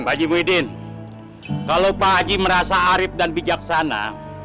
pak ji muhyiddin kalau pak aji merasa arip dan bijaksana